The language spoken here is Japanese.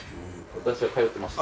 私は通ってました